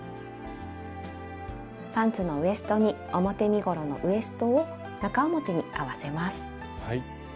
パンツのウエストに表身ごろのウエストを中表に合わせます。